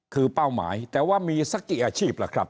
คือเป้าหมายแต่ว่ามีสักกี่อาชีพล่ะครับ